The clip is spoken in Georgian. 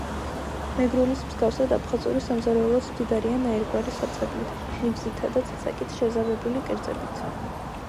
მეგრულის მსგავსად აფხაზური სამზარეულოც მდიდარია ნაირგვარი საწებლით, ნიგვზითა და წიწაკით შეზავებული კერძებით.